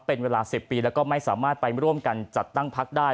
เป็นเวลา๑๐ปีแล้วก็ไม่สามารถไปร่วมกันจัดตั้งพักได้